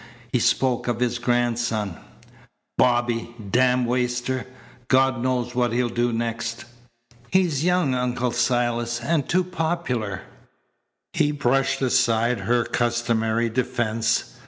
He spoke of his grandson: "Bobby! Damned waster! God knows what he'll do next." "He's young, Uncle Silas, and too popular." He brushed aside her customary defence.